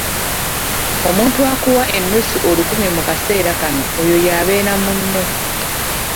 Omuntu akuwa ennusu olukumi mu kaseera kano oyo y’abeera munno.